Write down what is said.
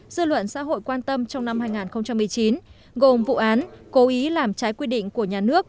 dư luận xã hội quan tâm trong năm hai nghìn một mươi chín gồm vụ án cố ý làm trái quy định của nhà nước